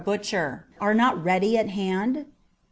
butcher are not ready at hand ?